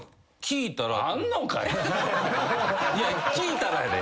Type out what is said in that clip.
いや聞いたらやで。